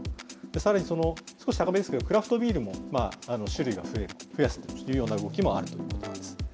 さらにその少し高めですけど、クラフトビールも種類が増える、増やすという動きがあるということなんです。